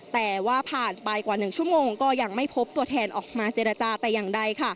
แต่ว่าผ่านไปกว่า๑ชั่วโมงก็ยังไม่พบตัวแทนออกมาเจรจาแต่อย่างใด